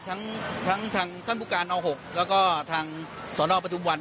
ทั้งทางท่านผู้การน๖แล้วก็ทางสนปทุมวัน